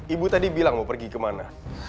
ibu tadi bilang mau pergi kemana